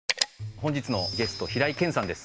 本日のゲスト平井堅さんです。